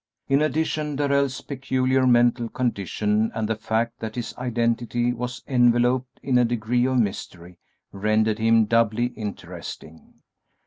In addition, Darrell's peculiar mental condition and the fact that his identity was enveloped in a degree of mystery rendered him doubly interesting.